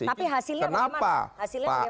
tapi hasilnya bagaimana